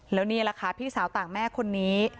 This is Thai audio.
แล้วนี่แหละค่ะพี่สาวต่างแม่คนนี้